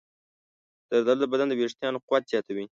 زردالو د بدن د ویښتانو قوت زیاتوي.